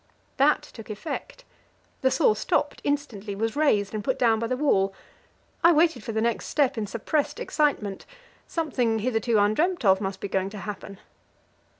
That took effect. The saw stopped instantly, was raised, and put down by the wall. I waited for the next step in suppressed excitement; something hitherto undreamt of must be going to happen.